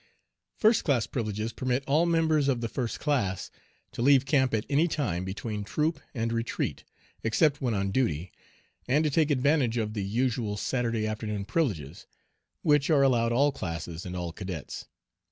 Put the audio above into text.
"First class privileges" permit all members of the first class to leave camp at any time between troop and retreat, except when on duty, and to take advantage of the usual "Saturday afternoon privileges," which are allowed all classes and all cadets.